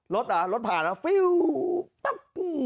รถผ่านแล้วฟิ้วปุ้บ